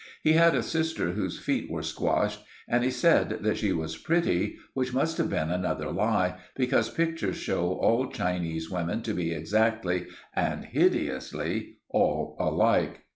He had a sister whose feet were squashed, and he said that she was pretty, which must have been another lie, because pictures show all Chinese women to be exactly and hideously all alike.